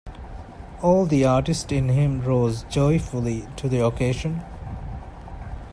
All the artist in him rose joyfully to the occasion.